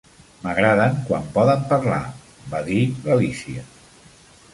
"M'agraden quan poden parlar", va dir l'Alícia.